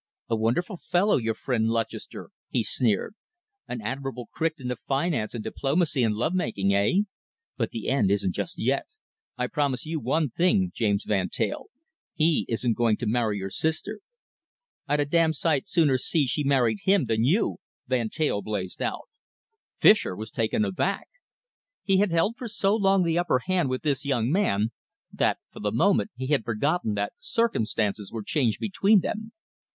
"A wonderful fellow, your friend Lutchester," he sneered. "An Admirable Crichton of finance and diplomacy and love making, eh? But the end isn't just yet. I promise you one thing, James Van Teyl. He isn't going to marry your sister." "I'd a damned sight sooner she married him than you!" Van Teyl blazed out. Fischer was taken aback. He had held for so long the upper hand with this young man that for the moment he had forgotten that circumstances were changed between them.